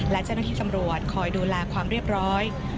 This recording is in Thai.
และเจ้าหน้าที่ตำรวจคอยดูแลความเรียบร้อย